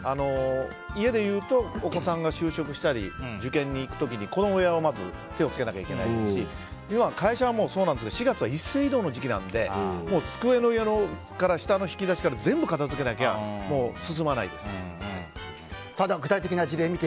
家でいうとお子さんが就職したり受験に行くときに子供部屋に手を付けないといけないし今、会社はそうなんですけど４月は一斉異動の時期なので机の上から下の引き出しから全部片付けなきゃ具体的な事例です。